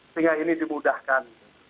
sehingga ini dibudahkan